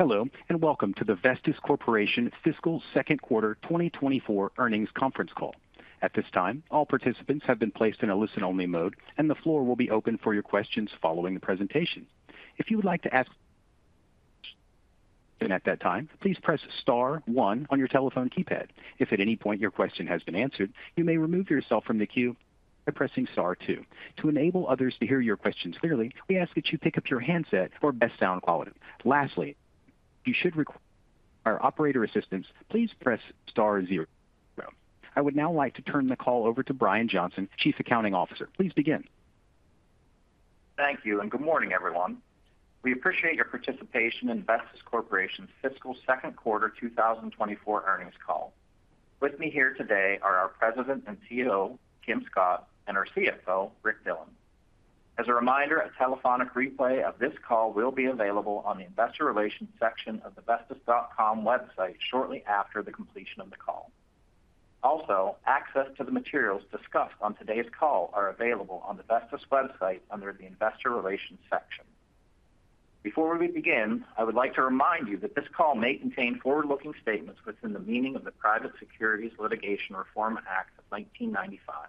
Hello, and welcome to the Vestis Corporation fiscal second quarter 2024 earnings conference call. At this time, all participants have been placed in a listen-only mode, and the floor will be open for your questions following the presentation. If you would like to ask a question at that time, please press star one on your telephone keypad. If at any point your question has been answered, you may remove yourself from the queue by pressing star two. To enable others to hear your questions clearly, we ask that you pick up your handset for best sound quality. Lastly, if you should require operator assistance, please press star zero. I would now like to turn the call over to Bryan Johnson, Chief Accounting Officer. Please begin. Thank you, and good morning, everyone. We appreciate your participation in Vestis Corporation's fiscal second quarter 2024 earnings call. With me here today are our President and CEO, Kim Scott, and our CFO, Rick Dillon. As a reminder, a telephonic replay of this call will be available on the Investor Relations section of the vestis.com website shortly after the completion of the call. Also, access to the materials discussed on today's call are available on the Vestis website under the Investor Relations section. Before we begin, I would like to remind you that this call may contain forward-looking statements within the meaning of the Private Securities Litigation Reform Act of 1995.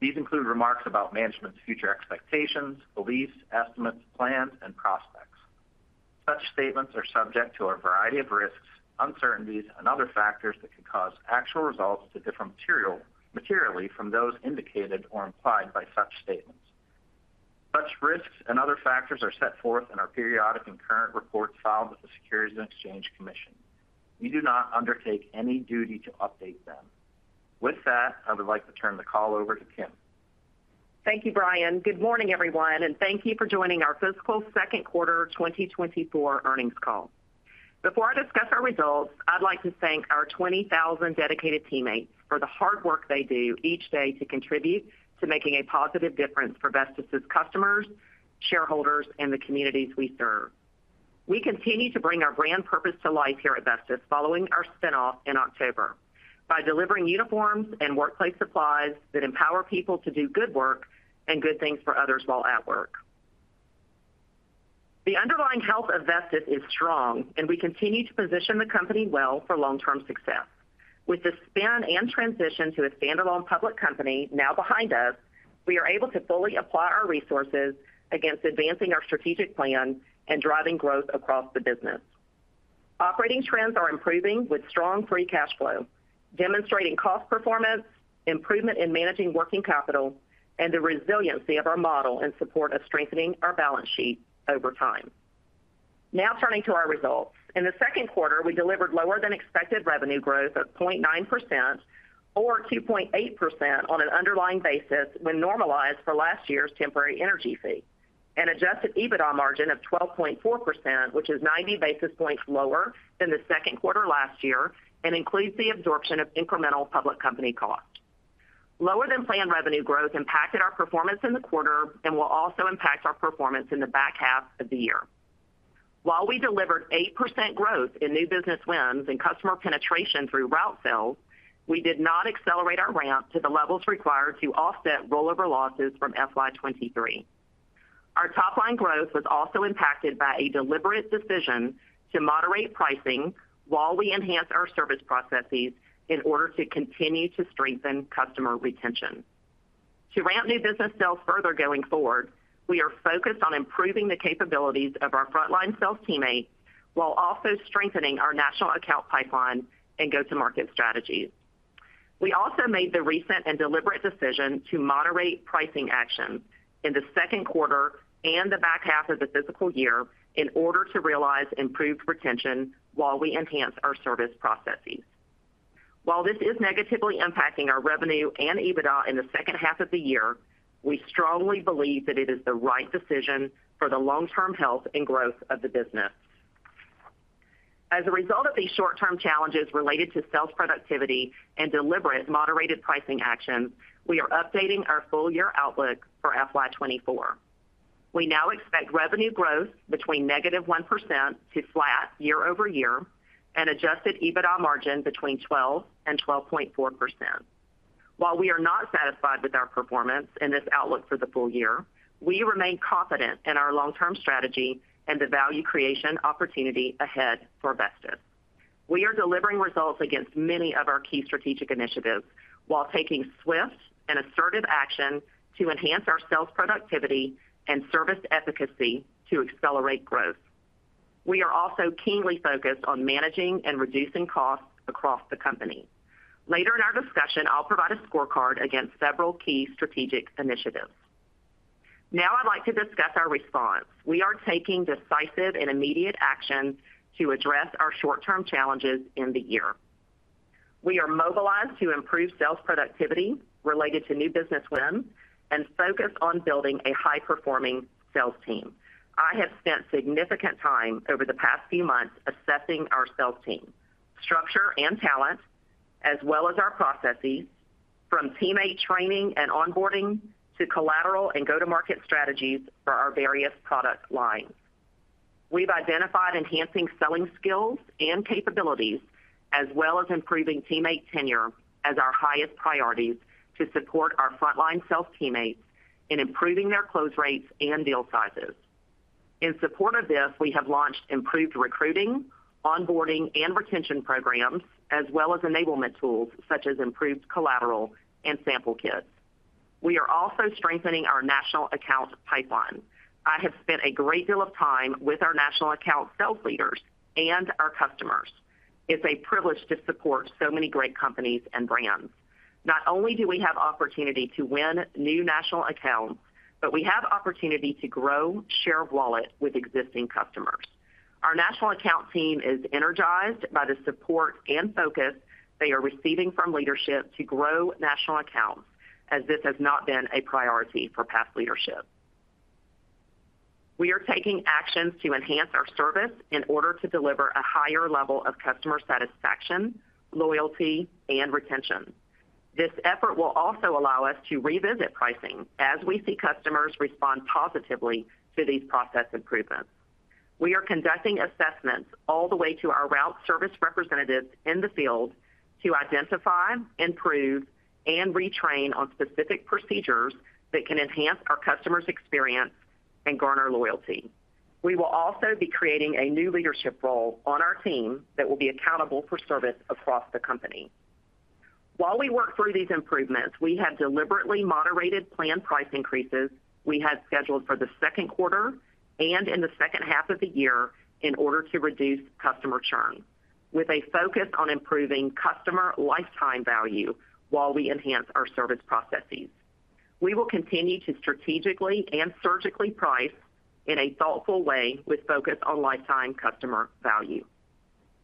These include remarks about management's future expectations, beliefs, estimates, plans, and prospects. Such statements are subject to a variety of risks, uncertainties, and other factors that could cause actual results to differ materially from those indicated or implied by such statements. Such risks and other factors are set forth in our periodic and current reports filed with the Securities and Exchange Commission. We do not undertake any duty to update them. With that, I would like to turn the call over to Kim. Thank you, Bryan. Good morning, everyone, and thank you for joining our fiscal second quarter 2024 earnings call. Before I discuss our results, I'd like to thank our 20,000 dedicated teammates for the hard work they do each day to contribute to making a positive difference for Vestis' customers, shareholders, and the communities we serve. We continue to bring our brand purpose to life here at Vestis, following our spin-off in October, by delivering uniforms and workplace supplies that empower people to do good work and good things for others while at work. The underlying health of Vestis is strong, and we continue to position the company well for long-term success. With the spin and transition to a standalone public company now behind us, we are able to fully apply our resources against advancing our strategic plan and driving growth across the business. Operating trends are improving with strong free cash flow, demonstrating cost performance, improvement in managing working capital, and the resiliency of our model in support of strengthening our balance sheet over time. Now turning to our results. In the second quarter, we delivered lower than expected revenue growth of 0.9%, or 2.8% on an underlying basis when normalized for last year's temporary energy fee, an adjusted EBITDA margin of 12.4%, which is 90 basis points lower than the second quarter last year and includes the absorption of incremental public company costs. Lower than planned revenue growth impacted our performance in the quarter and will also impact our performance in the back half of the year. While we delivered 8% growth in new business wins and customer penetration through route sales, we did not accelerate our ramp to the levels required to offset rollover losses from FY 2023. Our top line growth was also impacted by a deliberate decision to moderate pricing while we enhance our service processes in order to continue to strengthen customer retention. To ramp new business sales further going forward, we are focused on improving the capabilities of our frontline sales teammates while also strengthening our national account pipeline and go-to-market strategies. We also made the recent and deliberate decision to moderate pricing actions in the second quarter and the back half of the fiscal year in order to realize improved retention while we enhance our service processes. While this is negatively impacting our revenue and EBITDA in the second half of the year, we strongly believe that it is the right decision for the long-term health and growth of the business. As a result of these short-term challenges related to sales productivity and deliberate moderated pricing actions, we are updating our full-year outlook for FY 2024. We now expect revenue growth between -1% to flat year-over-year and adjusted EBITDA margin between 12% and 12.4%. While we are not satisfied with our performance and this outlook for the full year, we remain confident in our long-term strategy and the value creation opportunity ahead for Vestis. We are delivering results against many of our key strategic initiatives while taking swift and assertive action to enhance our sales productivity and service efficacy to accelerate growth. We are also keenly focused on managing and reducing costs across the company. Later in our discussion, I'll provide a scorecard against several key strategic initiatives. Now I'd like to discuss our response. We are taking decisive and immediate action to address our short-term challenges in the year. We are mobilized to improve sales productivity related to new business wins and focused on building a high-performing sales team. I have spent significant time over the past few months assessing our sales team, structure and talent, as well as our processes, from teammate training and onboarding to collateral and go-to-market strategies for our various product lines. We've identified enhancing selling skills and capabilities, as well as improving teammate tenure, as our highest priorities to support our frontline sales teammates in improving their close rates and deal sizes. In support of this, we have launched improved recruiting, onboarding, and retention programs, as well as enablement tools such as improved collateral and sample kits. We are also strengthening our national accounts pipeline. I have spent a great deal of time with our national account sales leaders and our customers. It's a privilege to support so many great companies and brands. Not only do we have opportunity to win new national accounts, but we have opportunity to grow share of wallet with existing customers. Our national account team is energized by the support and focus they are receiving from leadership to grow national accounts, as this has not been a priority for past leadership. We are taking actions to enhance our service in order to deliver a higher level of customer satisfaction, loyalty, and retention. This effort will also allow us to revisit pricing as we see customers respond positively to these process improvements. We are conducting assessments all the way to our route sales representatives in the field to identify, improve, and retrain on specific procedures that can enhance our customers' experience and garner loyalty. We will also be creating a new leadership role on our team that will be accountable for service across the company. While we work through these improvements, we have deliberately moderated planned price increases we had scheduled for the second quarter and in the second half of the year in order to reduce customer churn, with a focus on improving customer lifetime value while we enhance our service processes. We will continue to strategically and surgically price in a thoughtful way with focus on lifetime customer value.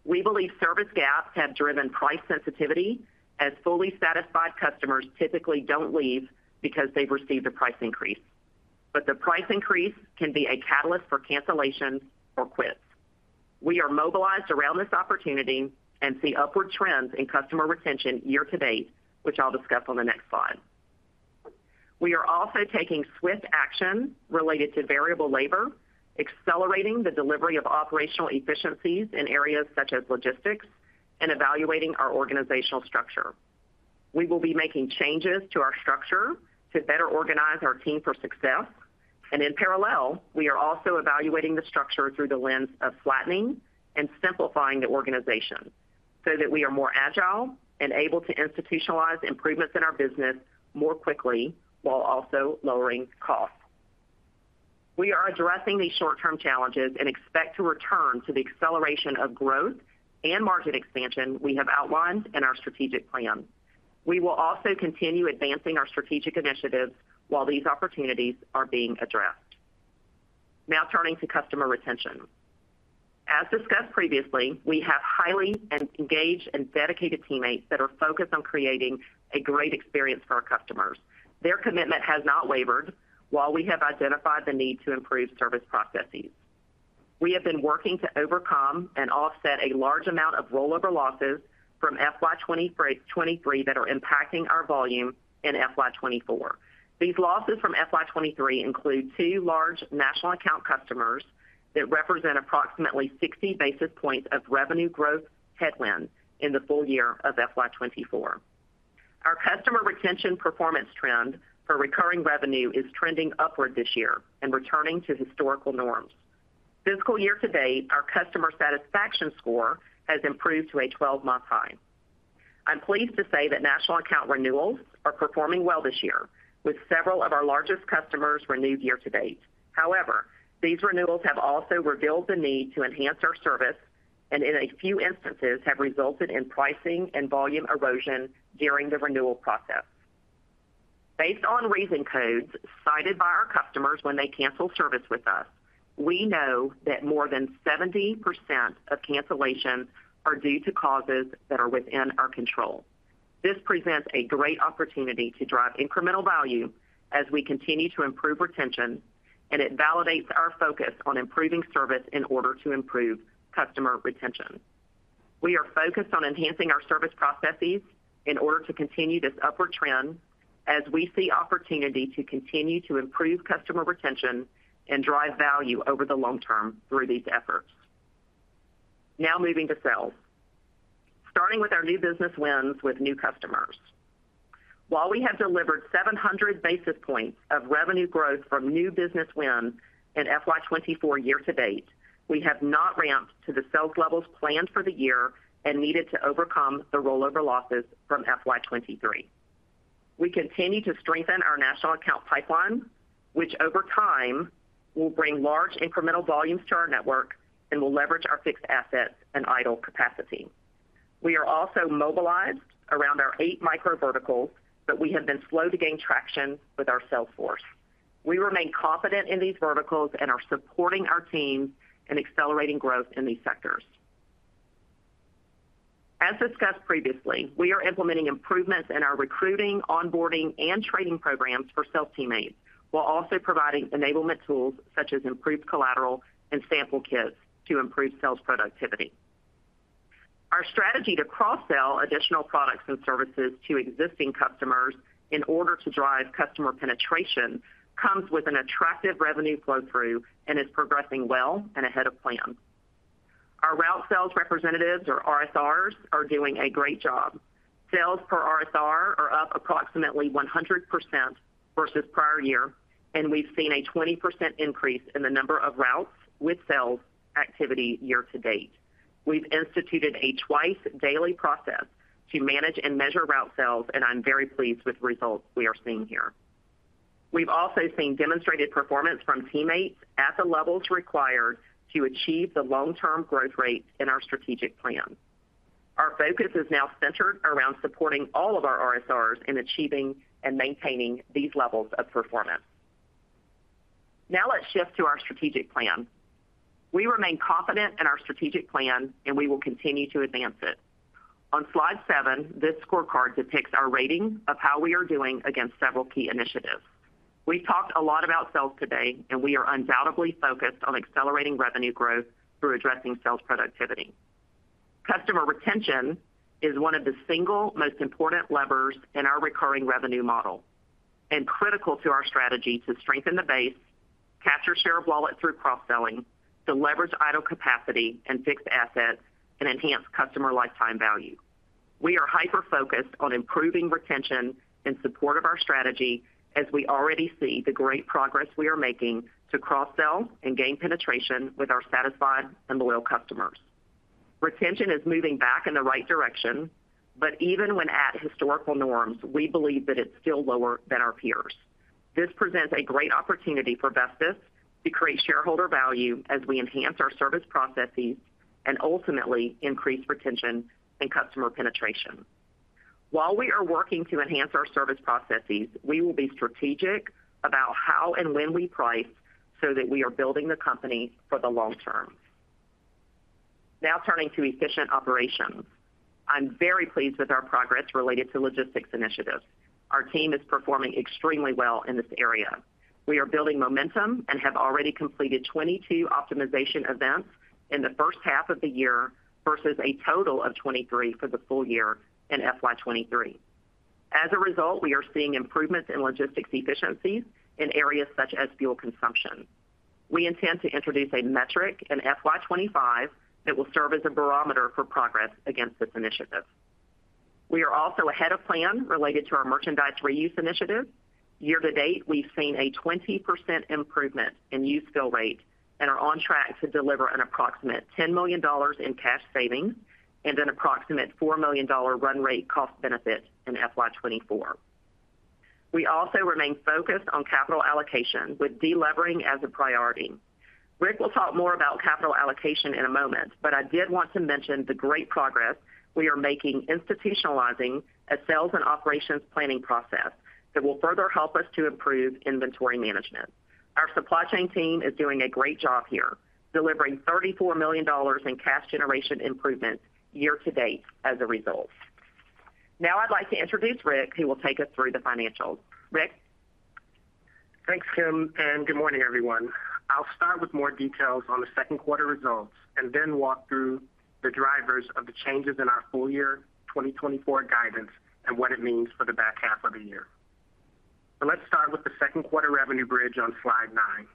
We believe service gaps have driven price sensitivity, as fully satisfied customers typically don't leave because they've received a price increase. But the price increase can be a catalyst for cancellations or quits. We are mobilized around this opportunity and see upward trends in customer retention year-to-date, which I'll discuss on the next slide. We are also taking swift action related to variable labor, accelerating the delivery of operational efficiencies in areas such as logistics and evaluating our organizational structure. We will be making changes to our structure to better organize our team for success, and in parallel, we are also evaluating the structure through the lens of flattening and simplifying the organization so that we are more agile and able to institutionalize improvements in our business more quickly while also lowering costs. We are addressing these short-term challenges and expect to return to the acceleration of growth and market expansion we have outlined in our strategic plan. We will also continue advancing our strategic initiatives while these opportunities are being addressed. Now turning to customer retention. As discussed previously, we have highly engaged and dedicated teammates that are focused on creating a great experience for our customers. Their commitment has not wavered while we have identified the need to improve service processes. We have been working to overcome and offset a large amount of rollover losses from FY 2023 that are impacting our volume in FY 2024. These losses from FY 2023 include two large national account customers that represent approximately 60 basis points of revenue growth headwind in the full year of FY 2024. Our customer retention performance trend for recurring revenue is trending upward this year and returning to historical norms. Fiscal year to date, our customer satisfaction score has improved to a 12-month high. I'm pleased to say that national account renewals are performing well this year, with several of our largest customers renewed year to date. However, these renewals have also revealed the need to enhance our service and in a few instances, have resulted in pricing and volume erosion during the renewal process. Based on reason codes cited by our customers when they cancel service with us, we know that more than 70% of cancellations are due to causes that are within our control. This presents a great opportunity to drive incremental value as we continue to improve retention, and it validates our focus on improving service in order to improve customer retention. We are focused on enhancing our service processes in order to continue this upward trend as we see opportunity to continue to improve customer retention and drive value over the long term through these efforts. Now moving to sales. Starting with our new business wins with new customers. While we have delivered 700 basis points of revenue growth from new business wins in FY 2024 year to date, we have not ramped to the sales levels planned for the year and needed to overcome the rollover losses from FY 2023. We continue to strengthen our national account pipeline, which over time will bring large incremental volumes to our network and will leverage our fixed assets and idle capacity. We are also mobilized around our eight micro verticals, but we have been slow to gain traction with our sales force. We remain confident in these verticals and are supporting our teams in accelerating growth in these sectors. As discussed previously, we are implementing improvements in our recruiting, onboarding, and training programs for sales teammates, while also providing enablement tools such as improved collateral and sample kits to improve sales productivity. Our strategy to cross-sell additional products and services to existing customers in order to drive customer penetration comes with an attractive revenue flow-through and is progressing well and ahead of plan. Our route sales representatives or RSRs are doing a great job. Sales per RSR are up approximately 100% versus prior year, and we've seen a 20% increase in the number of routes with sales activity year to date. We've instituted a twice-daily process to manage and measure route sales, and I'm very pleased with the results we are seeing here. We've also seen demonstrated performance from teammates at the levels required to achieve the long-term growth rate in our strategic plan. Our focus is now centered around supporting all of our RSRs in achieving and maintaining these levels of performance. Now let's shift to our strategic plan. We remain confident in our strategic plan, and we will continue to advance it. On slide seven, this scorecard depicts our rating of how we are doing against several key initiatives. We've talked a lot about sales today, and we are undoubtedly focused on accelerating revenue growth through addressing sales productivity. Customer retention is one of the single most important levers in our recurring revenue model, and critical to our strategy to strengthen the base, capture share of wallet through cross-selling, to leverage idle capacity and fixed assets, and enhance customer lifetime value. We are hyper-focused on improving retention in support of our strategy, as we already see the great progress we are making to cross-sell and gain penetration with our satisfied and loyal customers. Retention is moving back in the right direction, but even when at historical norms, we believe that it's still lower than our peers. This presents a great opportunity for Vestis to create shareholder value as we enhance our service processes and ultimately increase retention and customer penetration. While we are working to enhance our service processes, we will be strategic about how and when we price so that we are building the company for the long term. Now, turning to efficient operations. I'm very pleased with our progress related to logistics initiatives. Our team is performing extremely well in this area. We are building momentum and have already completed 22 optimization events in the first half of the year, versus a total of 23 for the full year in FY 2023. As a result, we are seeing improvements in logistics efficiencies in areas such as fuel consumption. We intend to introduce a metric in FY 2025 that will serve as a barometer for progress against this initiative. We are also ahead of plan related to our merchandise reuse initiative. Year to date, we've seen a 20% improvement in used fill rate and are on track to deliver an approximate $10 million in cash savings and an approximate $4 million run rate cost benefit in FY 2024. We also remain focused on capital allocation, with delevering as a priority. Rick will talk more about capital allocation in a moment, but I did want to mention the great progress we are making institutionalizing a sales and operations planning process that will further help us to improve inventory management. Our supply chain team is doing a great job here, delivering $34 million in cash generation improvements year to date as a result. Now, I'd like to introduce Rick, who will take us through the financials. Rick? Thanks, Kim, and good morning, everyone. I'll start with more details on the second quarter results and then walk through the drivers of the changes in our full year 2024 guidance and what it means for the back half of the year. Let's start with the second quarter revenue bridge on slide nine.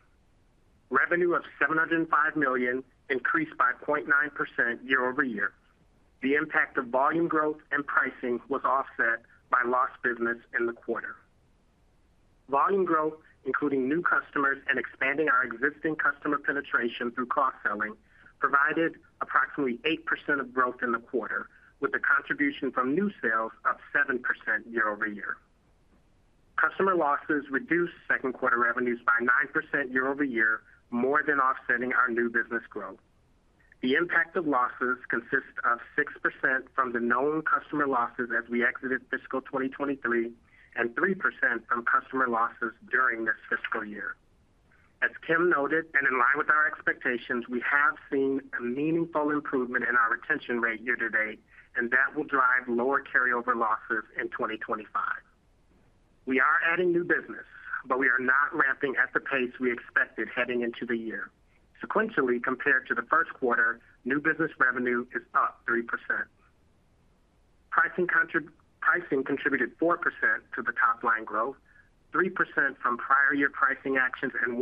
Revenue of $705 million increased by 0.9% year-over-year. The impact of volume growth and pricing was offset by lost business in the quarter. Volume growth, including new customers and expanding our existing customer penetration through cross-selling, provided approximately 8% of growth in the quarter, with the contribution from new sales up 7% year-over-year. Customer losses reduced second quarter revenues by 9% year-over-year, more than offsetting our new business growth. The impact of losses consists of 6% from the known customer losses as we exited fiscal 2023, and 3% from customer losses during this fiscal year. As Kim noted, and in line with our expectations, we have seen a meaningful improvement in our retention rate year to date, and that will drive lower carryover losses in 2025. We are adding new business, but we are not ramping at the pace we expected heading into the year. Sequentially, compared to the first quarter, new business revenue is up 3%. Pricing contributed 4% to the top line growth, 3% from prior year pricing actions and 1%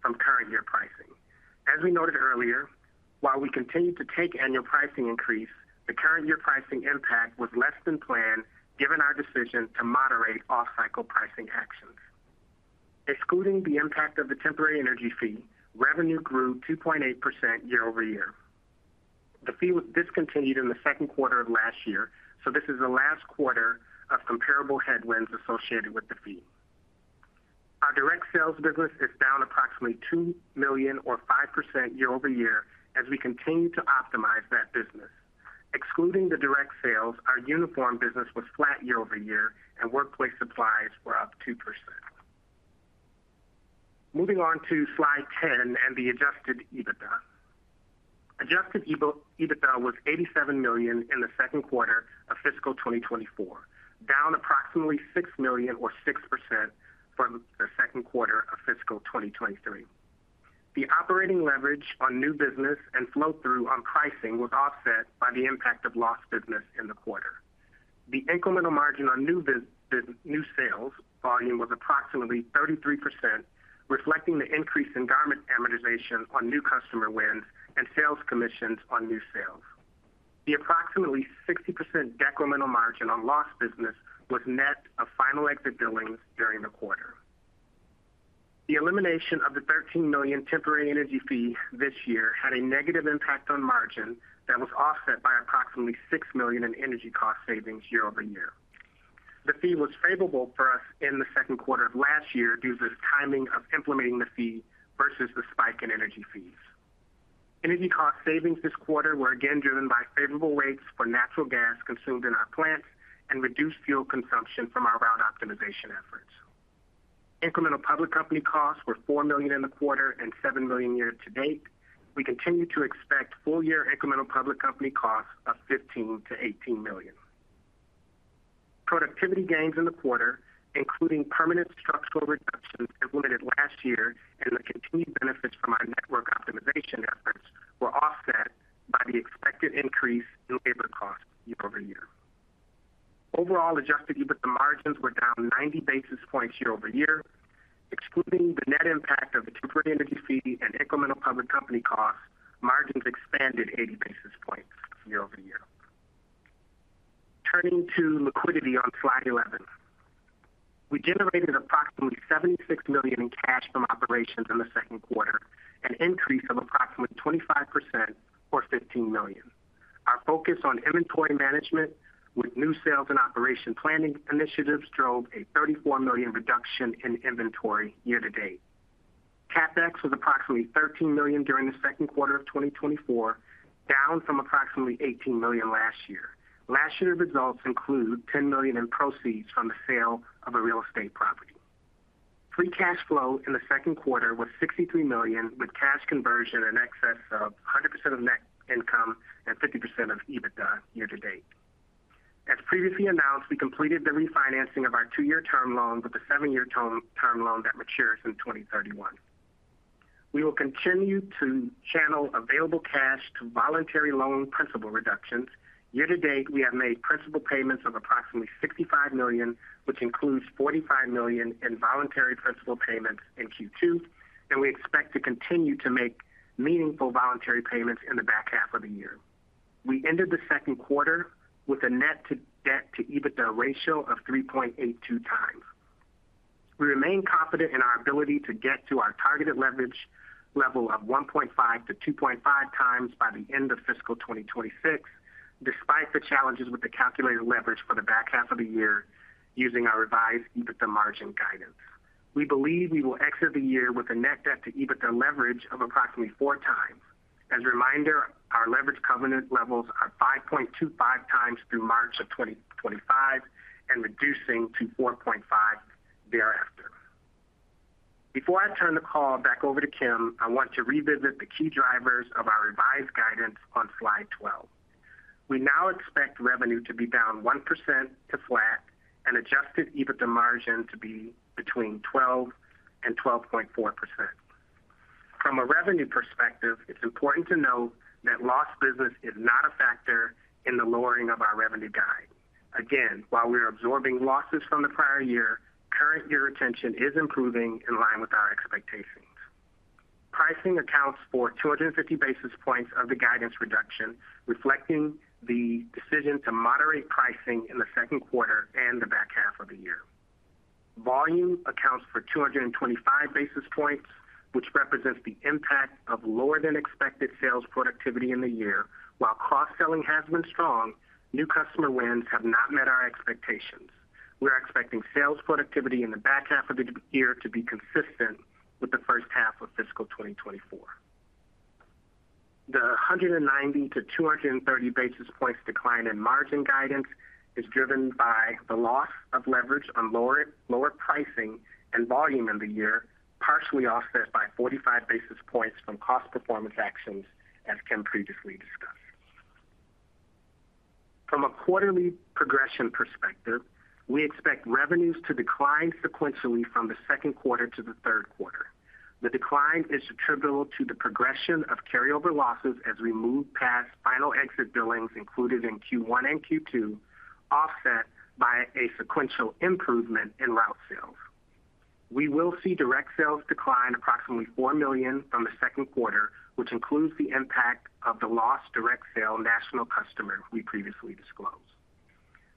from current year pricing. As we noted earlier, while we continued to take annual pricing increase, the current year pricing impact was less than planned, given our decision to moderate off-cycle pricing actions. Excluding the impact of the temporary energy fee, revenue grew 2.8% year-over-year. The fee was discontinued in the second quarter of last year, so this is the last quarter of comparable headwinds associated with the fee. Our direct sales business is down approximately $2 million or 5% year-over-year as we continue to optimize that business. Excluding the direct sales, our uniform business was flat year-over-year, and workplace supplies were up 2%. Moving on to slide 10 and the adjusted EBITDA. Adjusted EBITDA was $87 million in the second quarter of fiscal 2024, down approximately $6 million or 6% from the second quarter of fiscal 2023. The operating leverage on new business and flow-through on pricing was offset by the impact of lost business in the quarter. The incremental margin on new sales volume was approximately 33%, reflecting the increase in garment amortization on new customer wins and sales commissions on new sales. The approximately 60% decremental margin on lost business was net of final exit billings during the quarter. The elimination of the $13 million temporary energy fee this year had a negative impact on margin that was offset by approximately $6 million in energy cost savings year over year. The fee was favorable for us in the second quarter of last year due to the timing of implementing the fee versus the spike in energy fees. Energy cost savings this quarter were again driven by favorable rates for natural gas consumed in our plants and reduced fuel consumption from our route optimization efforts. Incremental public company costs were $4 million in the quarter and $7 million year to date. We continue to expect full year incremental public company costs of $15 million-$18 million. Productivity gains in the quarter, including permanent structural reductions implemented last year and the continued benefits from our network optimization efforts, were offset by the expected increase in labor costs year-over-year. Overall, adjusted EBITDA margins were down 90 basis points year-over-year. Excluding the net impact of the temporary energy fee and incremental public company costs, margins expanded 80 basis points year-over-year. Turning to liquidity on slide 11. We generated approximately $76 million in cash from operations in the second quarter, an increase of approximately 25% or $15 million. Our focus on inventory management with new sales and operation planning initiatives drove a $34 million reduction in inventory year-to-date. CapEx was approximately $13 million during the second quarter of 2024, down from approximately $18 million last year. Last year's results include $10 million in proceeds from the sale of a real estate property. Free cash flow in the second quarter was $63 million, with cash conversion in excess of 100% of net income and 50% of EBITDA year to date. As previously announced, we completed the refinancing of our two-year term loan with a seven-year term, term loan that matures in 2031. We will continue to channel available cash to voluntary loan principal reductions. Year to date, we have made principal payments of approximately $65 million, which includes $45 million in voluntary principal payments in Q2, and we expect to continue to make meaningful voluntary payments in the back half of the year. We ended the second quarter with a net debt to EBITDA ratio of 3.82x. We remain confident in our ability to get to our targeted leverage level of 1.5x-2.5x by the end of fiscal 2026, despite the challenges with the calculated leverage for the back half of the year using our revised EBITDA margin guidance. We believe we will exit the year with a net debt to EBITDA leverage of approximately 4x. As a reminder, our leverage covenant levels are 5.25x through March of 2025, and reducing to 4.5x thereafter. Before I turn the call back over to Kim, I want to revisit the key drivers of our revised guidance on slide 12. We now expect revenue to be down 1% to flat and adjusted EBITDA margin to be between 12% and 12.4%. From a revenue perspective, it's important to note that lost business is not a factor in the lowering of our revenue guide. Again, while we are absorbing losses from the prior year, current year retention is improving in line with our expectations. Pricing accounts for 250 basis points of the guidance reduction, reflecting the decision to moderate pricing in the second quarter and the back half of the year. Volume accounts for 225 basis points, which represents the impact of lower than expected sales productivity in the year. While cross-selling has been strong, new customer wins have not met our expectations. We're expecting sales productivity in the back half of the year to be consistent with the first half of fiscal 2024. The 190 basis points-230 basis points decline in margin guidance is driven by the loss of leverage on lower, lower pricing and volume in the year, partially offset by 45 basis points from cost performance actions, as Kim previously discussed. From a quarterly progression perspective, we expect revenues to decline sequentially from the second quarter to the third quarter. The decline is attributable to the progression of carryover losses as we move past final exit billings included in Q1 and Q2, offset by a sequential improvement in route sales. We will see direct sales decline approximately $4 million from the second quarter, which includes the impact of the lost direct sale national customer we previously disclosed.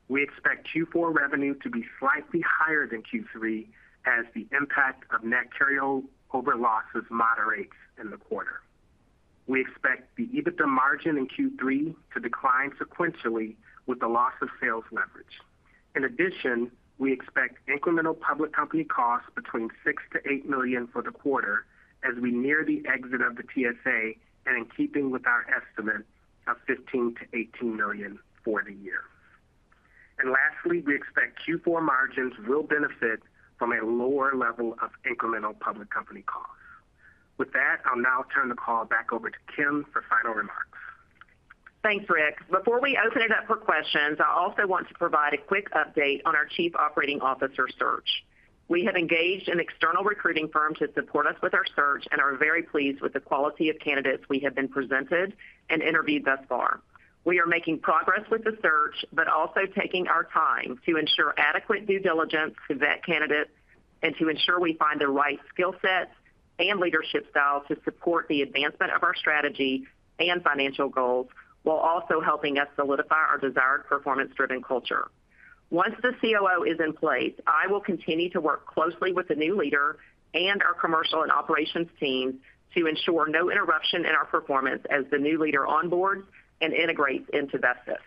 We expect Q4 revenue to be slightly higher than Q3 as the impact of net carryover losses moderates in the quarter. We expect the EBITDA margin in Q3 to decline sequentially with the loss of sales leverage. In addition, we expect incremental public company costs between $6 million-$8 million for the quarter as we near the exit of the TSA and in keeping with our estimate of $15 million-$18 million for the year. Lastly, we expect Q4 margins will benefit from a lower level of incremental public company costs. With that, I'll now turn the call back over to Kim for final remarks. Thanks, Rick. Before we open it up for questions, I also want to provide a quick update on our Chief Operating Officer search. We have engaged an external recruiting firm to support us with our search and are very pleased with the quality of candidates we have been presented and interviewed thus far. We are making progress with the search, but also taking our time to ensure adequate due diligence to vet candidates and to ensure we find the right skill sets and leadership styles to support the advancement of our strategy and financial goals, while also helping us solidify our desired performance-driven culture. Once the COO is in place, I will continue to work closely with the new leader and our commercial and operations team to ensure no interruption in our performance as the new leader onboards and integrates into Vestis.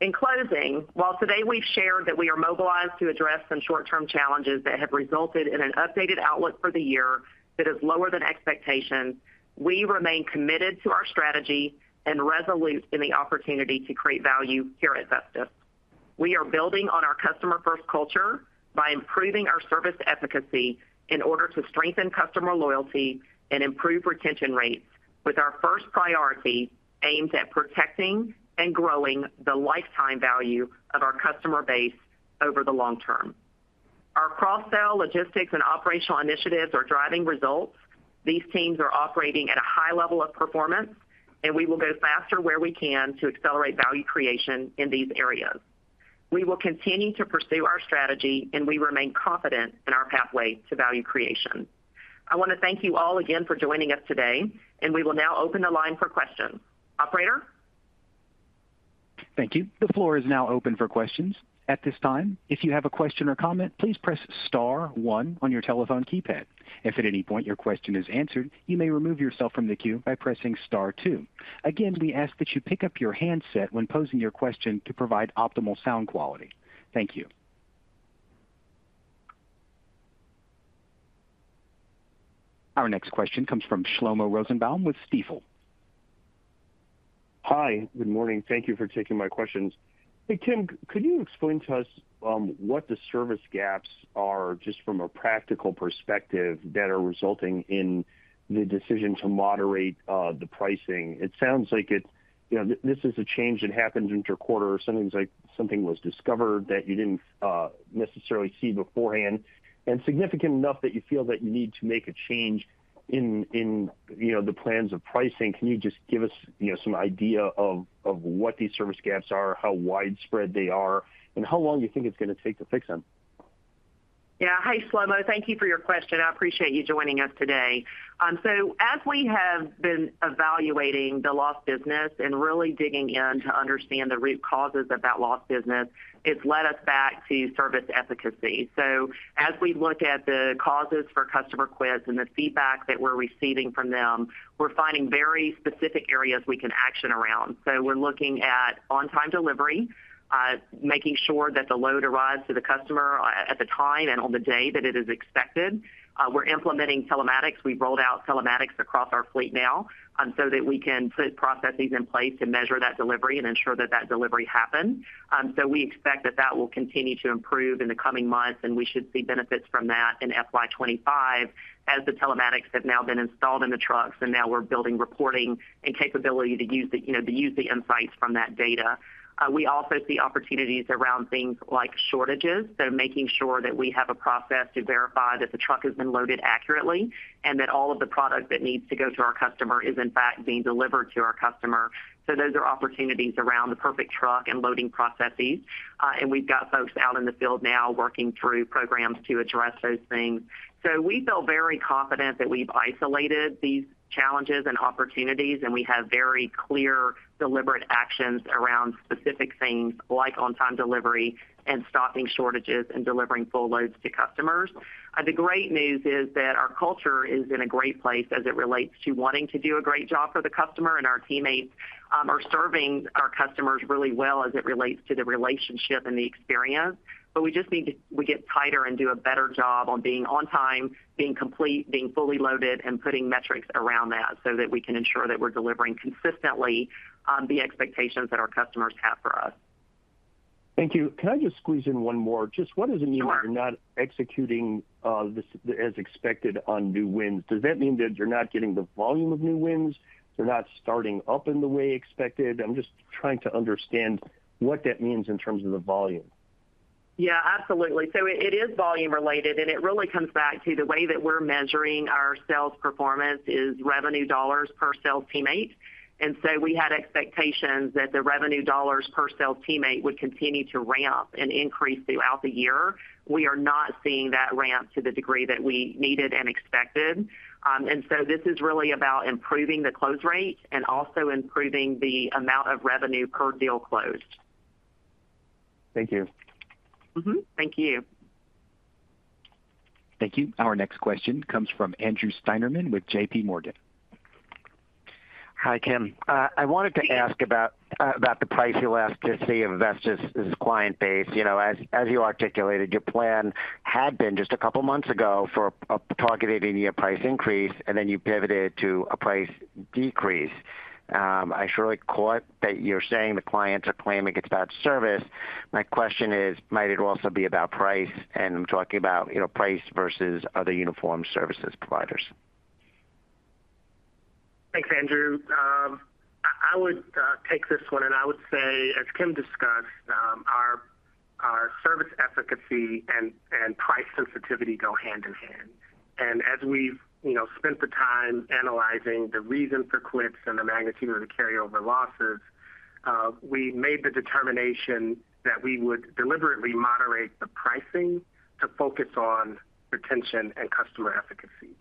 In closing, while today we've shared that we are mobilized to address some short-term challenges that have resulted in an updated outlook for the year that is lower than expectations, we remain committed to our strategy and resolute in the opportunity to create value here at Vestis. We are building on our customer-first culture by improving our service efficacy in order to strengthen customer loyalty and improve retention rates, with our first priority aimed at protecting and growing the lifetime value of our customer base over the long term. Our cross-sell, logistics, and operational initiatives are driving results. These teams are operating at a high level of performance, and we will go faster where we can to accelerate value creation in these areas. We will continue to pursue our strategy, and we remain confident in our pathway to value creation. I want to thank you all again for joining us today, and we will now open the line for questions. Operator? Thank you. The floor is now open for questions. At this time, if you have a question or comment, please press star one on your telephone keypad. If at any point your question is answered, you may remove yourself from the queue by pressing star two. Again, we ask that you pick up your handset when posing your question to provide optimal sound quality. Thank you. Our next question comes from Shlomo Rosenbaum with Stifel. Hi, good morning. Thank you for taking my questions. Hey, Kim, could you explain to us what the service gaps are, just from a practical perspective, that are resulting in the decision to moderate the pricing? It sounds like it, you know, this is a change that happens intra-quarter, or something like, something was discovered that you didn't necessarily see beforehand, and significant enough that you feel that you need to make a change in, in, you know, the plans of pricing. Can you just give us, you know, some idea of what these service gaps are, how widespread they are, and how long you think it's going to take to fix them? Yeah. Hi, Shlomo. Thank you for your question. I appreciate you joining us today. As we have been evaluating the lost business and really digging in to understand the root causes of that lost business, it's led us back to service efficacy. So as we look at the causes for customer quits and the feedback that we're receiving from them, we're finding very specific areas we can action around. So we're looking at on-time delivery, making sure that the load arrives to the customer at the time and on the day that it is expected. We're implementing telematics. We've rolled out telematics across our fleet now, so that we can put processes in place to measure that delivery and ensure that that delivery happens. So we expect that that will continue to improve in the coming months, and we should see benefits from that in FY 2025, as the telematics have now been installed in the trucks, and now we're building, reporting, and capability to use the, you know, to use the insights from that data. We also see opportunities around things like shortages, so making sure that we have a process to verify that the truck has been loaded accurately and that all of the product that needs to go to our customer is in fact being delivered to our customer. So those are opportunities around the perfect truck and loading processes. And we've got folks out in the field now working through programs to address those things. So we feel very confident that we've isolated these challenges and opportunities, and we have very clear, deliberate actions around specific things like on-time delivery and stopping shortages and delivering full loads to customers. The great news is that our culture is in a great place as it relates to wanting to do a great job for the customer, and our teammates are serving our customers really well as it relates to the relationship and the experience. But we just need to get tighter and do a better job on being on time, being complete, being fully loaded, and putting metrics around that, so that we can ensure that we're delivering consistently on the expectations that our customers have for us. Thank you. Can I just squeeze in one more? Sure. Just what does it mean when you're not executing, this as expected on new wins? Does that mean that you're not getting the volume of new wins? They're not starting up in the way expected? I'm just trying to understand what that means in terms of the volume. Absolutely. So it is volume related, and it really comes back to the way that we're measuring our sales performance is revenue dollars per sales teammate. And so we had expectations that the revenue dollars per sales teammate would continue to ramp and increase throughout the year. We are not seeing that ramp to the degree that we needed and expected. And so this is really about improving the close rate and also improving the amount of revenue per deal closed. Thank you. Mm-hmm, thank you. Thank you. Our next question comes from Andrew Steinerman with JPMorgan. Hi, Kim. I wanted to ask about the price elasticity of Vestis' client base. You know, as you articulated, your plan had been just a couple of months ago for a targeted a year price increase, and then you pivoted to a price decrease. I surely caught that you're saying the clients are claiming it's about service. My question is, might it also be about price? And I'm talking about, you know, price versus other uniform services providers. Thanks, Andrew. I would take this one, and I would say, as Kim discussed, our service efficacy and price sensitivity go hand in hand. And as we've, you know, spent the time analyzing the reason for quits and the magnitude of the carryover losses, we made the determination that we would deliberately moderate the pricing to focus on retention and customer efficacy.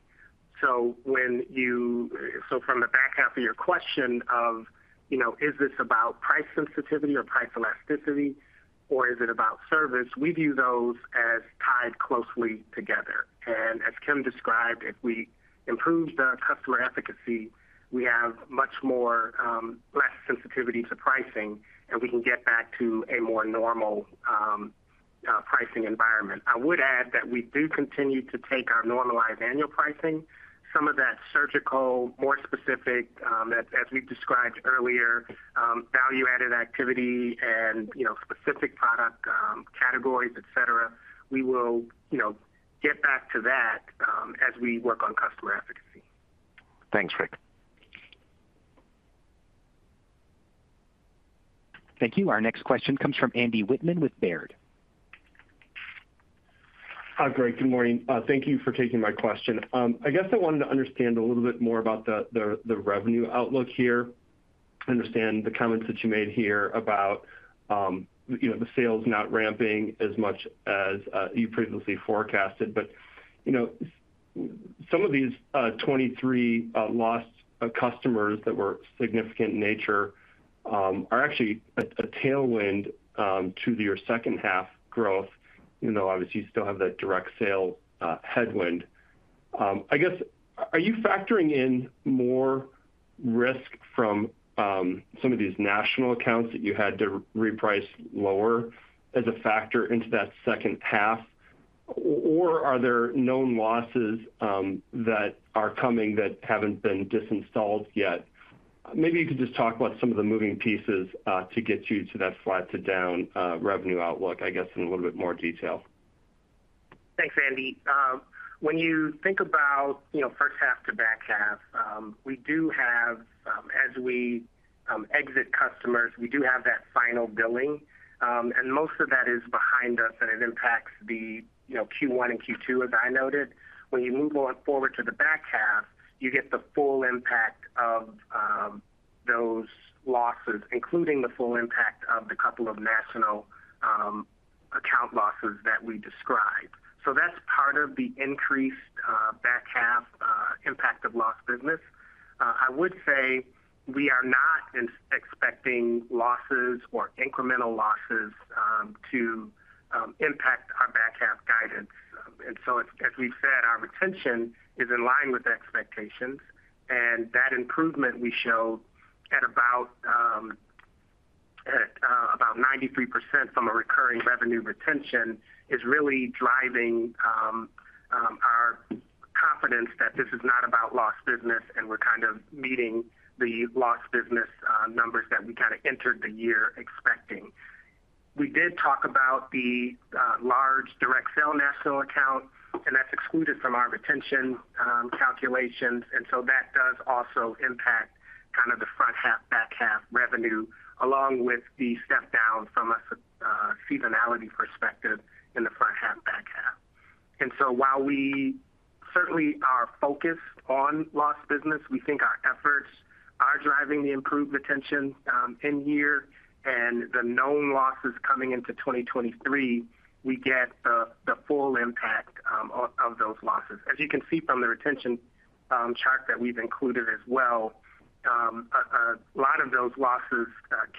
So when you so from the back half of your question of, you know, is this about price sensitivity or price elasticity, or is it about service? We view those as tied closely together. And as Kim described, if we improve the customer efficacy, we have much more less sensitivity to pricing, and we can get back to a more normal pricing environment. I would add that we do continue to take our normalized annual pricing. Some of that surgical, more specific, as we've described earlier, value-added activity and, you know, specific product categories, etc., we will, you know, get back to that, as we work on customer efficacy. Thanks, Rick. Thank you. Our next question comes from Andy Wittman with Baird. Hi, great. Good morning. Thank you for taking my question. I guess I wanted to understand a little bit more about the revenue outlook here. I understand the comments that you made here about, you know, the sales not ramping as much as you previously forecasted. But, you know, some of these 23 lost customers that were significant in nature are actually a tailwind to your second half growth, even though obviously you still have that direct sale headwind. I guess, are you factoring in more risk from some of these national accounts that you had to reprice lower as a factor into that second half? Or are there known losses that are coming that haven't been disclosed yet? Maybe you could just talk about some of the moving pieces to get you to that flat to down revenue outlook, I guess, in a little bit more detail. Thanks, Andy. When you think about, you know, first half to back half, we do have, as we, exit customers, we do have that final billing, and most of that is behind us, and it impacts the, you know, Q1 and Q2, as I noted. When you move more forward to the back half, you get the full impact of, those losses, including the full impact of the couple of national, account losses that we described. So that's part of the increased, back half, impact of lost business. I would say we are not expecting losses or incremental losses, to, impact our back half guidance. And so, as we've said, our retention is in line with expectations, and that improvement we show at about 93% from a recurring revenue retention is really driving our confidence that this is not about lost business, and we're kind of meeting the lost business numbers that we kind of entered the year expecting. We did talk about the large direct sale national account, and that's excluded from our retention calculations, and so that does also impact kind of the front half, back half revenue, along with the step down from a seasonality perspective in the front half, back half. And so while we certainly are focused on lost business, we think our efforts are driving the improved retention in year, and the known losses coming into 2023, we get the full impact of those losses. As you can see from the retention chart that we've included as well, a lot of those losses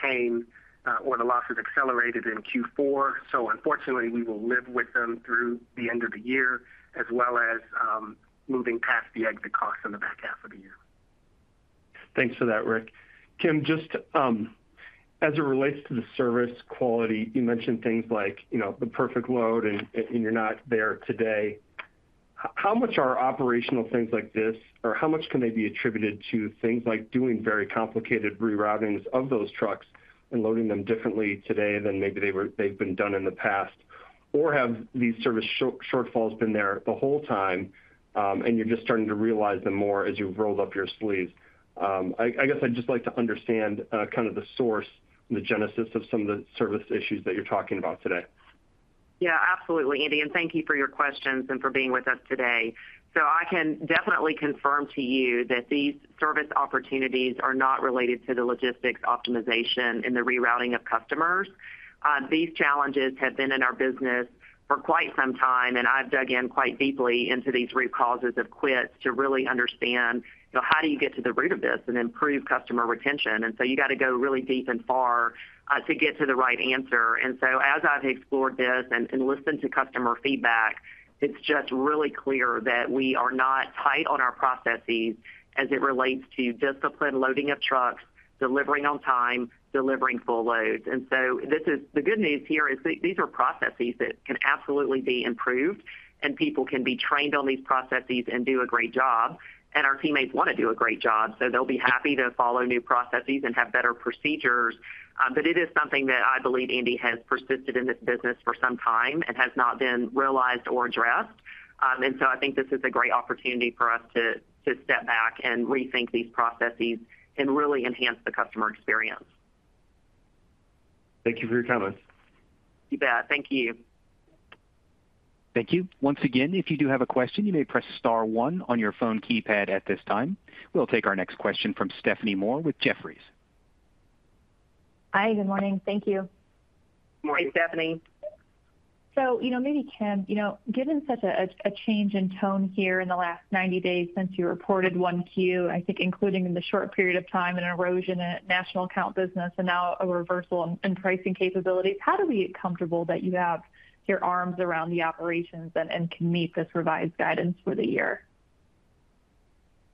came, or the losses accelerated in Q4, so unfortunately, we will live with them through the end of the year, as well as moving past the exit costs in the back half of the year. Thanks for that, Rick. Kim, just as it relates to the service quality, you mentioned things like, you know, the perfect load, and you're not there today. How much are operational things like this, or how much can they be attributed to things like doing very complicated reroutings of those trucks and loading them differently today than maybe they've been done in the past? Or have these service shortfalls been there the whole time, and you're just starting to realize them more as you've rolled up your sleeves? I guess I'd just like to understand kind of the source and the genesis of some of the service issues that you're talking about today. Yeah, absolutely, Andy, and thank you for your questions and for being with us today. So I can definitely confirm to you that these service opportunities are not related to the logistics optimization and the rerouting of customers. These challenges have been in our business for quite some time, and I've dug in quite deeply into these root causes of quits to really understand, you know, how do you get to the root of this and improve customer retention? And so you got to go really deep and far, to get to the right answer. And so as I've explored this and, and listened to customer feedback, it's just really clear that we are not tight on our processes as it relates to disciplined loading of trucks, delivering on time, delivering full loads. This is the good news here is these are processes that can absolutely be improved, and people can be trained on these processes and do a great job, and our teammates want to do a great job, so they'll be happy to follow new processes and have better procedures. But it is something that I believe, Andy, has persisted in this business for some time and has not been realized or addressed. And so I think this is a great opportunity for us to step back and rethink these processes and really enhance the customer experience. Thank you for your time. You bet. Thank you. Thank you. Once again, if you do have a question, you may press star one on your phone keypad at this time. We'll take our next question from Stephanie Moore with Jefferies. Hi, good morning. Thank you. Morning, Stephanie. So, you know, maybe, Kim, you know, given such a change in tone here in the last 90 days since you reported Q1, I think including in the short period of time, an erosion at national account business and now a reversal in pricing capabilities, how do we get comfortable that you have your arms around the operations and can meet this revised guidance for the year?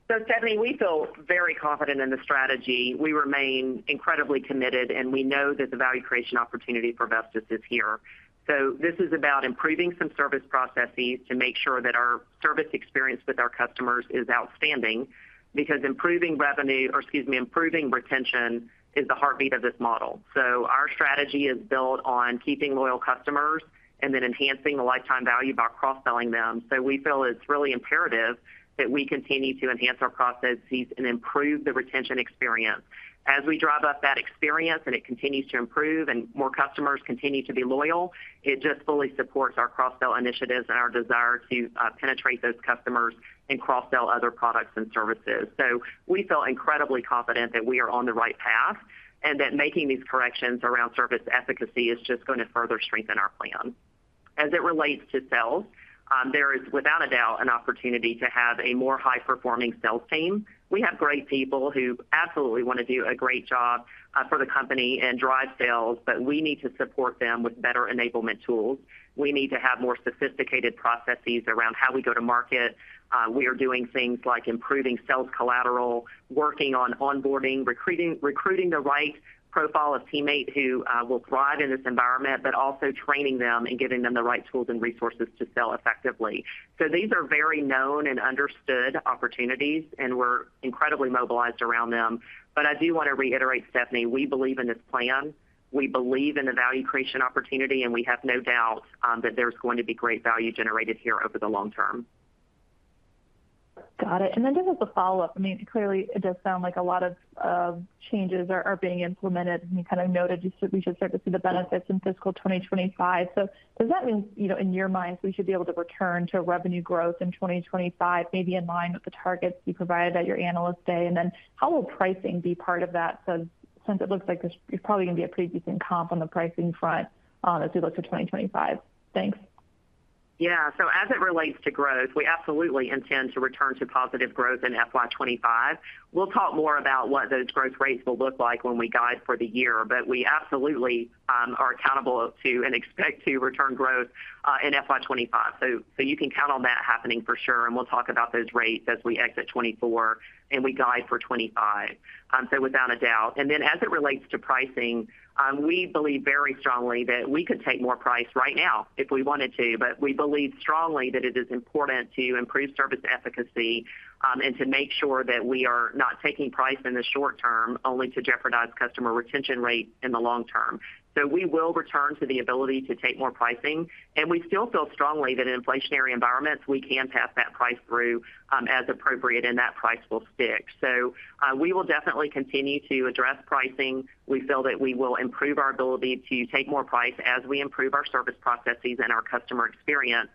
So Stephanie, we feel very confident in the strategy. We remain incredibly committed, and we know that the value creation opportunity for Vestis is here. So this is about improving some service processes to make sure that our service experience with our customers is outstanding, because improving revenue, or excuse me, improving retention is the heartbeat of this model. So our strategy is built on keeping loyal customers and then enhancing the lifetime value by cross-selling them. So we feel it's really imperative that we continue to enhance our processes and improve the retention experience. As we drive up that experience and it continues to improve and more customers continue to be loyal, it just fully supports our cross-sell initiatives and our desire to penetrate those customers and cross-sell other products and services. So we feel incredibly confident that we are on the right path, and that making these corrections around service efficacy is just going to further strengthen our plan. As it relates to sales, there is, without a doubt, an opportunity to have a more high-performing sales team. We have great people who absolutely want to do a great job, for the company and drive sales, but we need to support them with better enablement tools. We need to have more sophisticated processes around how we go to market. We are doing things like improving sales collateral, working on onboarding, recruiting, recruiting the right profile of teammate who, will thrive in this environment, but also training them and giving them the right tools and resources to sell effectively. So these are very known and understood opportunities, and we're incredibly mobilized around them. But I do want to reiterate, Stephanie, we believe in this plan. We believe in the value creation opportunity, and we have no doubts that there's going to be great value generated here over the long term. Got it. And then just as a follow-up, I mean, clearly it does sound like a lot of changes are being implemented, and you kind of noted we should start to see the benefits in fiscal 2025. So does that mean, you know, in your mind, we should be able to return to revenue growth in 2025, maybe in line with the targets you provided at your Analyst Day? And then how will pricing be part of that? So since it looks like this is probably going to be a pretty decent comp on the pricing front, as we look to 2025. Thanks. Yeah. So as it relates to growth, we absolutely intend to return to positive growth in FY 2025. We'll talk more about what those growth rates will look like when we guide for the year, but we absolutely are accountable to and expect to return growth in FY 2025. So you can count on that happening for sure, and we'll talk about those rates as we exit 2024 and we guide for 2025. So without a doubt. And then as it relates to pricing, we believe very strongly that we could take more price right now if we wanted to, but we believe strongly that it is important to improve service efficacy and to make sure that we are not taking price in the short term, only to jeopardize customer retention rate in the long term. So we will return to the ability to take more pricing, and we still feel strongly that in inflationary environments, we can pass that price through, as appropriate, and that price will stick. So, we will definitely continue to address pricing. We feel that we will improve our ability to take more price as we improve our service processes and our customer experience.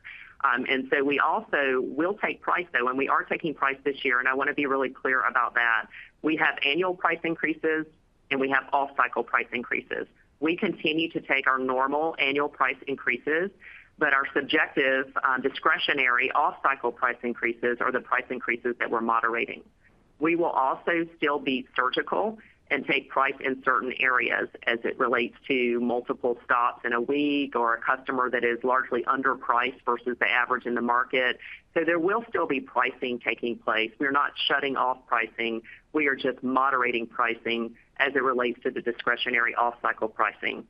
And so we also will take price, though, and we are taking price this year, and I want to be really clear about that. We have annual price increases, and we have off-cycle price increases. We continue to take our normal annual price increases, but our subjective, discretionary off-cycle price increases are the price increases that we're moderating. We will also still be surgical and take price in certain areas as it relates to multiple stops in a week or a customer that is largely underpriced versus the average in the market. So there will still be pricing taking place. We're not shutting off pricing. We are just moderating pricing as it relates to the discretionary off-cycle pricing.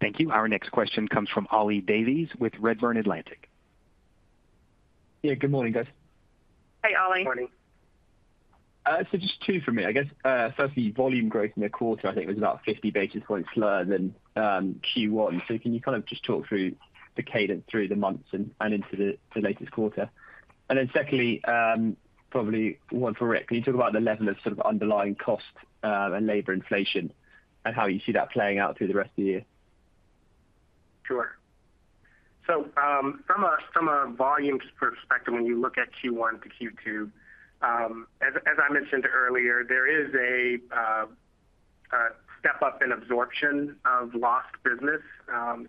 Thank you. Our next question comes from Ollie Davies with Redburn Atlantic. Yeah, good morning, guys. Hey, Ollie. Morning. So just two for me. I guess, firstly, volume growth in the quarter, I think, was about 50 basis points slower than Q1. So can you kind of just talk through the cadence through the months and into the latest quarter? And then secondly, probably one for Rick. Can you talk about the level of sort of underlying cost and labor inflation and how you see that playing out through the rest of the year? Sure. So, from a volumes perspective, when you look at Q1 to Q2, as I mentioned earlier, there is a step-up in absorption of lost business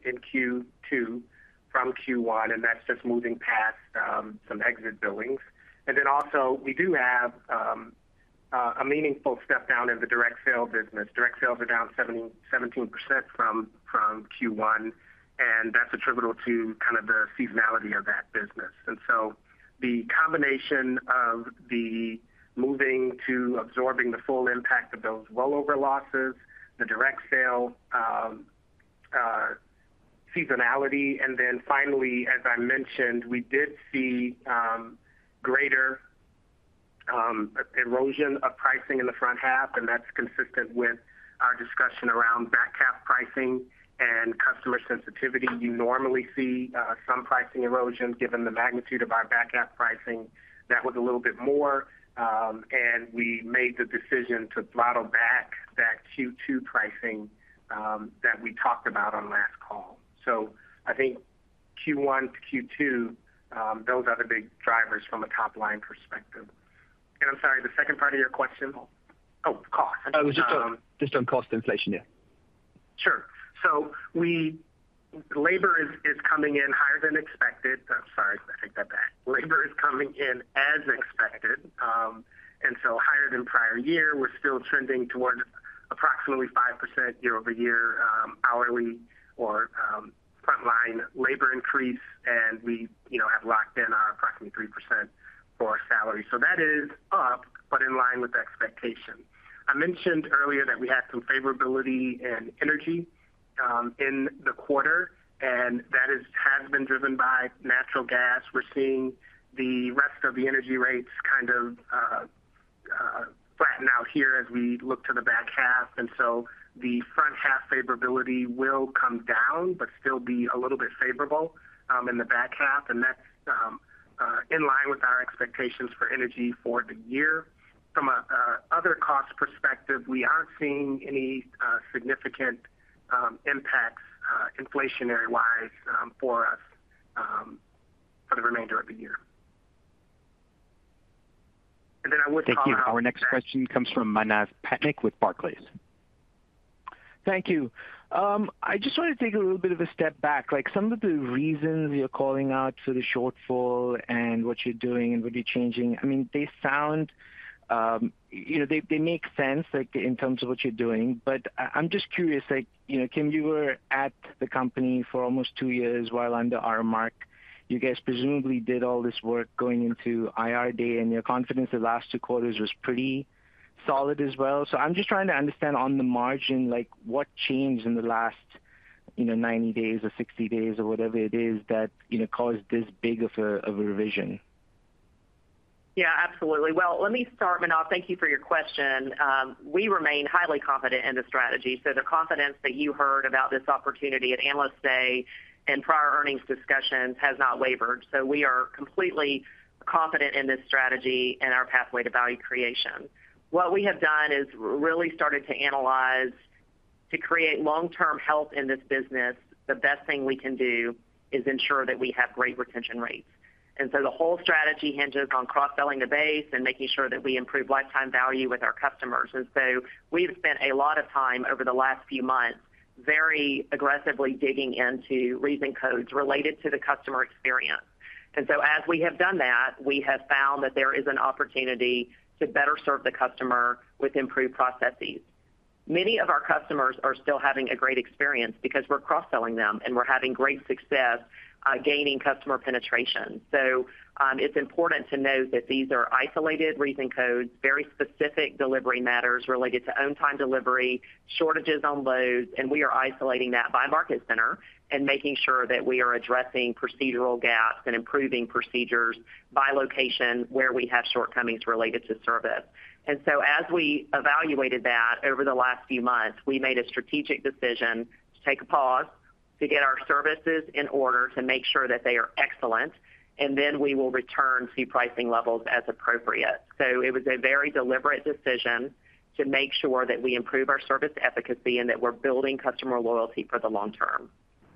in Q2 from Q1, and that's just moving past some exit billings. And then also, we do have a meaningful step down in the direct sale business. Direct sales are down 17% from Q1, and that's attributable to kind of the seasonality of that business. And so the combination of the moving to absorbing the full impact of those rollover losses, the direct sale seasonality, and then finally, as I mentioned, we did see greater erosion of pricing in the front half, and that's consistent with our discussion around back half pricing and customer sensitivity. You normally see some pricing erosion given the magnitude of our back half pricing. That was a little bit more, and we made the decision to throttle back that Q2 pricing that we talked about on last call. So I think Q1 to Q2, those are the big drivers from a top-line perspective. And I'm sorry, the second part of your question? Just on cost inflation, yeah. Sure. So labor is coming in higher than expected. I'm sorry, I take that back. Labor is coming in as expected, and so higher than prior year. We're still trending towards approximately 5% year-over-year hourly or frontline labor increase, and we, you know, have locked in our approximately 3% for our salary. So that is up, but in line with expectation. I mentioned earlier that we had some favorability in energy in the quarter, and that has been driven by natural gas. We're seeing the rest of the energy rates kind of flatten out here as we look to the back half, and so the front half favorability will come down, but still be a little bit favorable in the back half, and that's in line with our expectations for energy for the year. From another cost perspective, we aren't seeing any significant impacts inflationary-wise for us for the remainder of the year. Thank you. Our next question comes from Manav Patnaik with Barclays. Thank you. I just wanted to take a little bit of a step back. Like, some of the reasons you're calling out for the shortfall and what you're doing and what you're changing, I mean, they make sense, like, in terms of what you're doing. But I'm just curious, like, you know, Kim, you were at the company for almost two years while under Aramark. You guys presumably did all this work going into IR Day, and your confidence the last two quarters was pretty solid as well. So I'm just trying to understand on the margin, like, what changed in the last, you know, 90 days or 60 days or whatever it is that, you know, caused this big of a, of a revision? Yeah, absolutely. Well, let me start, Manav. Thank you for your question. We remain highly confident in the strategy, so the confidence that you heard about this opportunity at Analyst Day and prior earnings discussions has not wavered. So we are completely confident in this strategy and our pathway to value creation. What we have done is really started to analyze to create long-term health in this business, the best thing we can do is ensure that we have great retention rates. And so the whole strategy hinges on cross-selling the base and making sure that we improve lifetime value with our customers. And so we've spent a lot of time over the last few months, very aggressively digging into reason codes related to the customer experience. And so as we have done that, we have found that there is an opportunity to better serve the customer with improved processes. Many of our customers are still having a great experience because we're cross-selling them, and we're having great success, gaining customer penetration. So, it's important to note that these are isolated reason codes, very specific delivery matters related to on-time delivery, shortages on loads, and we are isolating that by market center and making sure that we are addressing procedural gaps and improving procedures by location where we have shortcomings related to service. And so as we evaluated that over the last few months, we made a strategic decision to take a pause, to get our services in order to make sure that they are excellent, and then we will return to pricing levels as appropriate. So it was a very deliberate decision to make sure that we improve our service efficacy and that we're building customer loyalty for the long term.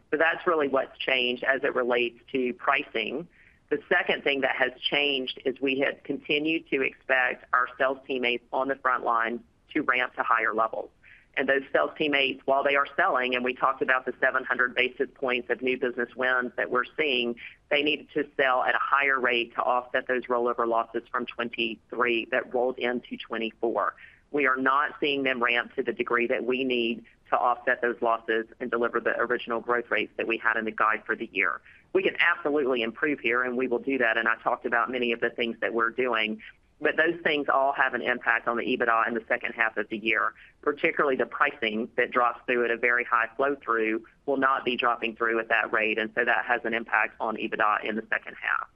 So that's really what's changed as it relates to pricing. The second thing that has changed is we had continued to expect our sales teammates on the front line to ramp to higher levels. And those sales teammates, while they are selling, and we talked about the 700 basis points of new business wins that we're seeing, they need to sell at a higher rate to offset those rollover losses from 2023 that rolled into 2024. We are not seeing them ramp to the degree that we need to offset those losses and deliver the original growth rates that we had in the guide for the year. We can absolutely improve here, and we will do that, and I talked about many of the things that we're doing, but those things all have an impact on the EBITDA in the second half of the year. Particularly the pricing that drops through at a very high flow-through will not be dropping through at that rate, and so that has an impact on EBITDA in the second half.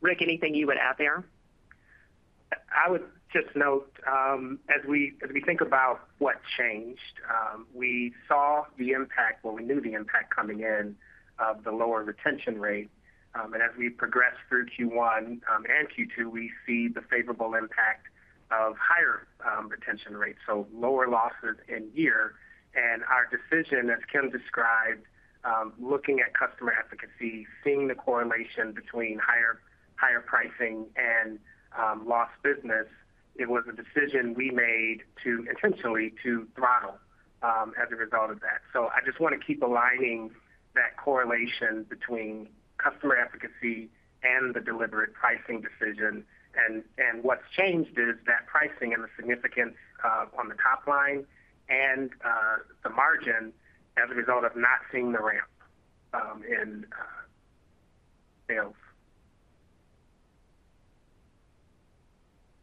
Rick, anything you would add there? I would just note, as we, as we think about what changed, we saw the impact, well, we knew the impact coming in, of the lower retention rate, and as we progress through Q1 and Q2, we see the favorable impact of higher retention rates, so lower losses in year. And our decision, as Kim described, looking at customer efficacy, seeing the correlation between higher, higher pricing and lost business, it was a decision we made to intentionally to throttle as a result of that. So I just want to keep aligning that correlation between customer efficacy and the deliberate pricing decision. And what's changed is that pricing and the significance on the top line and the margin as a result of not seeing the ramp in sales.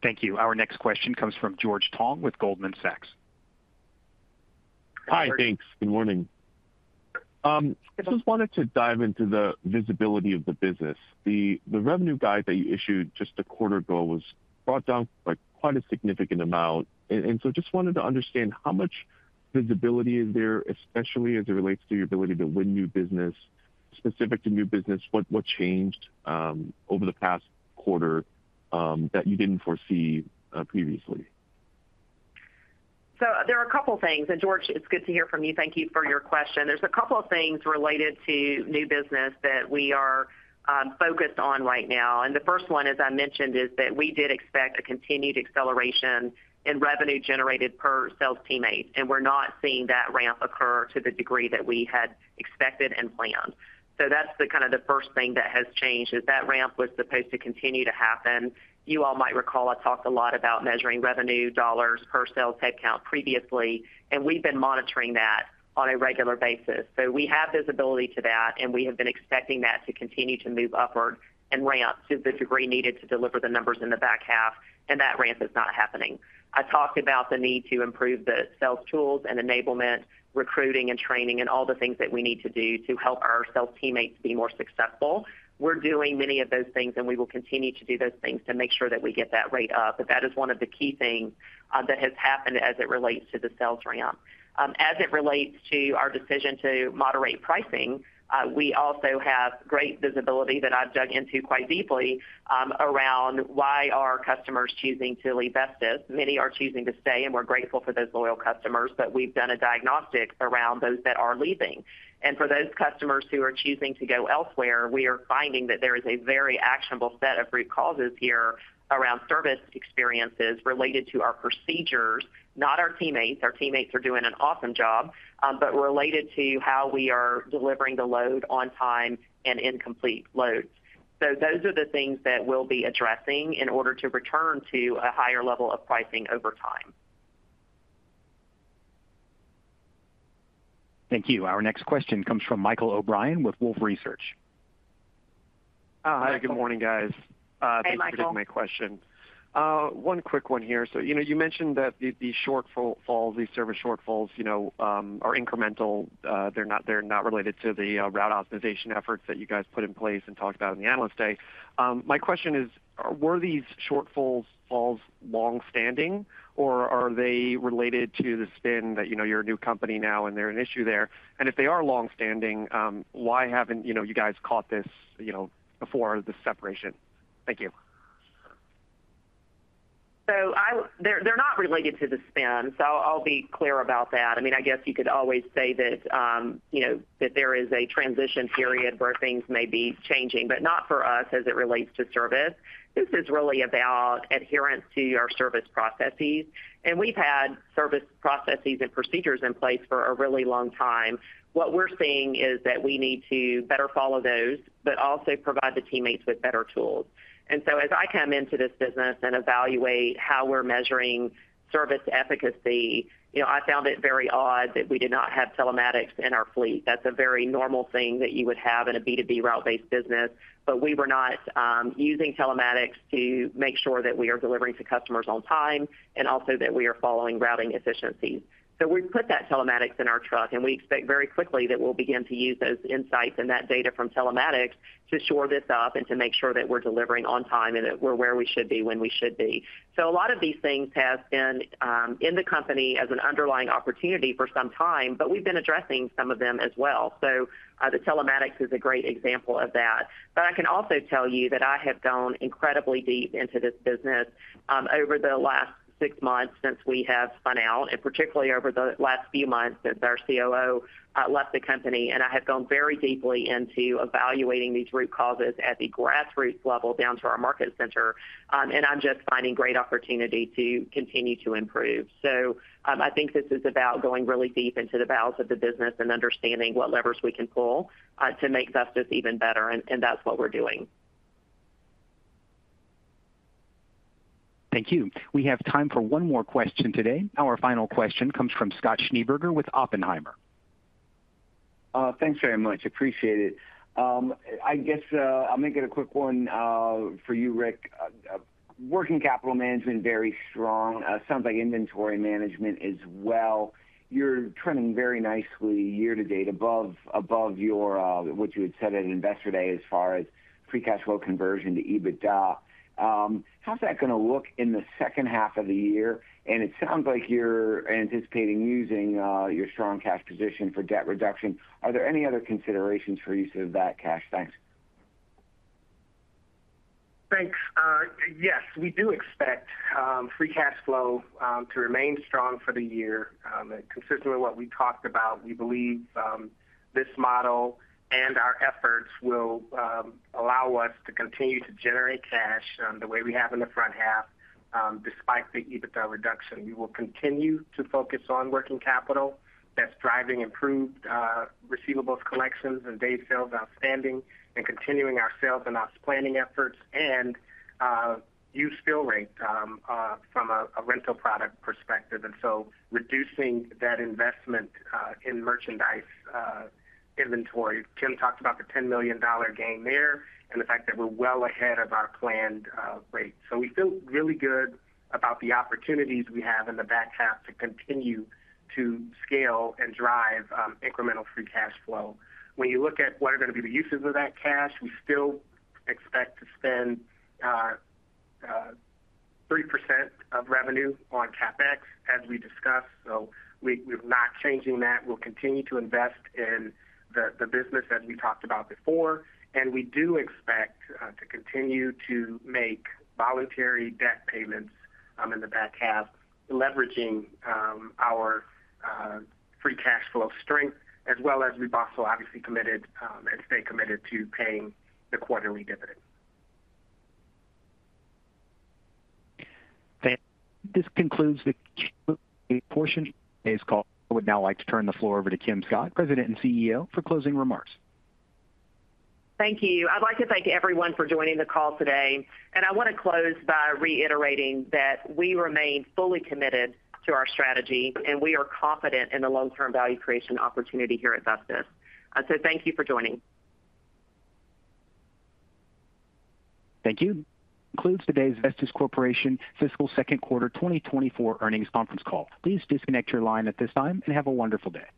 Thank you. Our next question comes from George Tong with Goldman Sachs. Hi, thanks. Good morning. I just wanted to dive into the visibility of the business. The revenue guide that you issued just a quarter ago was brought down by quite a significant amount. And so just wanted to understand how much visibility is there, especially as it relates to your ability to win new business? Specific to new business, what changed over the past quarter that you didn't foresee previously? George, it's good to hear from you. Thank you for your question. There's a couple of things related to new business that we are focused on right now, and the first one, as I mentioned, is that we did expect a continued acceleration in revenue generated per sales teammate, and we're not seeing that ramp occur to the degree that we had expected and planned. So that's the kind of the first thing that has changed, is that ramp was supposed to continue to happen. You all might recall I talked a lot about measuring revenue dollars per sales headcount previously, and we've been monitoring that on a regular basis. So we have visibility to that, and we have been expecting that to continue to move upward and ramp to the degree needed to deliver the numbers in the back half, and that ramp is not happening. I talked about the need to improve the sales tools and enablement, recruiting and training, and all the things that we need to do to help our sales teammates be more successful. We're doing many of those things, and we will continue to do those things to make sure that we get that rate up. But that is one of the key things that has happened as it relates to the sales ramp. As it relates to our decision to moderate pricing, we also have great visibility that I've dug into quite deeply, around why are customers choosing to leave Vestis. Many are choosing to stay, and we're grateful for those loyal customers, but we've done a diagnostic around those that are leaving. And for those customers who are choosing to go elsewhere, we are finding that there is a very actionable set of root causes here around service experiences related to our procedures, not our teammates. Our teammates are doing an awesome job, but related to how we are delivering the load on time and in complete loads. So those are the things that we'll be addressing in order to return to a higher level of pricing over time. Thank you. Our next question comes from Michael O'Brien with Wolfe Research. Hi, good morning, guys. Hey, Michael. Thanks for taking my question. One quick one here. So, you know, you mentioned that the shortfall, these service shortfalls, you know, are incremental. They're not related to the route optimization efforts that you guys put in place and talked about in the Analyst Day. My question is, were these shortfalls long-standing, or are they related to the spin that you know you're a new company now and they're an issue there? And if they are long-standing, why haven't you guys caught this, you know, before the separation? Thank you. So they're, they're not related to the spin. So I'll be clear about that. I mean, I guess you could always say that, you know, that there is a transition period where things may be changing, but not for us as it relates to service. This is really about adherence to our service processes, and we've had service processes and procedures in place for a really long time. What we're seeing is that we need to better follow those, but also provide the teammates with better tools. And so as I come into this business and evaluate how we're measuring service efficacy, you know, I found it very odd that we did not have telematics in our fleet. That's a very normal thing that you would have in a B2B route-based business, but we were not using telematics to make sure that we are delivering to customers on time, and also that we are following routing efficiencies. So we put that telematics in our truck, and we expect very quickly that we'll begin to use those insights and that data from telematics to shore this up and to make sure that we're delivering on time and that we're where we should be, when we should be. So a lot of these things have been in the company as an underlying opportunity for some time, but we've been addressing some of them as well. So the telematics is a great example of that. But I can also tell you that I have gone incredibly deep into this business, over the last six months since we have spun out, and particularly over the last few months since our COO left the company. I have gone very deeply into evaluating these root causes at the grassroots level, down to our market center. And I'm just finding great opportunity to continue to improve. So, I think this is about going really deep into the bowels of the business and understanding what levers we can pull to make Vestis even better, and that's what we're doing. Thank you. We have time for one more question today. Our final question comes from Scott Schneeberger with Oppenheimer. Thanks very much. Appreciate it. I guess, I'll make it a quick one, for you, Rick. Working capital management, very strong. Sounds like inventory management as well. You're trending very nicely year to date, above, above your, what you had said at Investor Day as far as free cash flow conversion to EBITDA. How's that gonna look in the second half of the year? And it sounds like you're anticipating using, your strong cash position for debt reduction. Are there any other considerations for use of that cash? Thanks. Thanks. Yes, we do expect free cash flow to remain strong for the year. Consistently what we talked about, we believe this model and our efforts will allow us to continue to generate cash the way we have in the front half despite the EBITDA reduction. We will continue to focus on working capital that's driving improved receivables collections and days sales outstanding, and continuing our sales and ops planning efforts and use fill rate from a rental product perspective, and so reducing that investment in merchandise inventory. Kim talked about the $10 million gain there, and the fact that we're well ahead of our planned rate. So we feel really good about the opportunities we have in the back half to continue to scale and drive incremental free cash flow. When you look at what are going to be the uses of that cash, we still expect to spend 3% of revenue on CapEx, as we discussed, so we're not changing that. We'll continue to invest in the business as we talked about before, and we do expect to continue to make voluntary debt payments in the back half, leveraging our free cash flow strength as well as we've also obviously committed and stay committed to paying the quarterly dividend. Thank you. This concludes the Q&A portion of today's call. I would now like to turn the floor over to Kim Scott, President and CEO, for closing remarks. Thank you. I'd like to thank everyone for joining the call today, and I want to close by reiterating that we remain fully committed to our strategy, and we are confident in the long-term value creation opportunity here at Vestis. So thank you for joining. Thank you. This concludes today's Vestis Corporation fiscal second quarter 2024 earnings conference call. Please disconnect your line at this time and have a wonderful day.